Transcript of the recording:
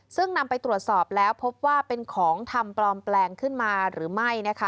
ซึ่งนำไปตรวจสอบแล้วพบว่าเป็นของทำปลอมแปลงขึ้นมาหรือไม่นะคะ